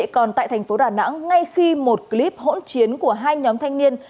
còn tại thành phố đà nẵng ngay khi một clip hỗn chiến của hai nhóm thanh niên